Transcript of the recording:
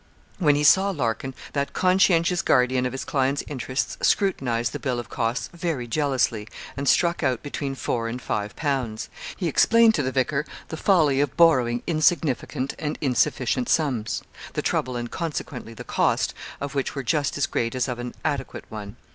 When he saw Larkin, that conscientious guardian of his client's interests scrutinised the bill of costs very jealously, and struck out between four and five pounds. He explained to the vicar the folly of borrowing insignificant and insufficient sums the trouble, and consequently the cost, of which were just as great as of an adequate one.